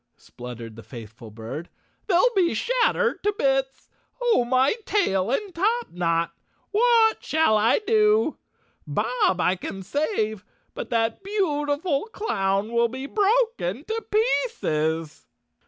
" spluttered the faithful bird, "they'll be shattered to bits! Oh, my tail and top knot! What shall I do? Bob I can save, but that beautiful clown will be broken to pieces!"